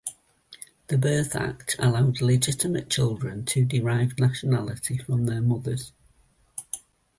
The Birth Act allowed legitimate children to derive nationality from their mothers.